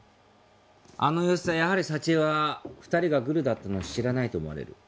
あの様子じゃやはり佐知恵は２人がグルだったのを知らないと思われる。